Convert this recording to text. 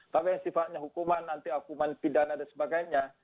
tapi sifatnya hukuman anti hukuman pidana dan sebagainya